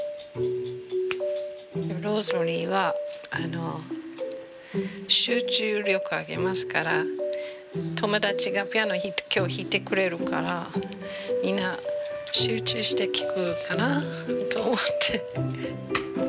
ローズマリーは集中力上げますから友達がピアノ今日弾いてくれるからみんな集中して聴くかなと思って。